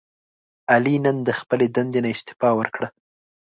علي نن د خپلې دندې نه استعفا ورکړه.